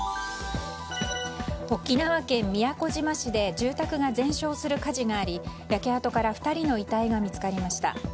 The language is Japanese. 沖縄県宮古島市で住宅が全焼する火事があり焼け跡から２人の遺体が見つかりました。